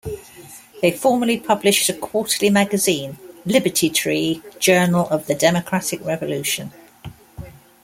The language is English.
They formerly published a quarterly magazine, Liberty Tree: Journal of the Democratic Revolution.